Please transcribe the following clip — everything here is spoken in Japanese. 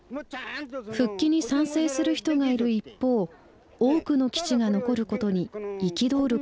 復帰に賛成する人がいる一方多くの基地が残ることに憤る